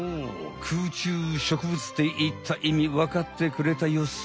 空中植物っていったいみわかってくれたようっす。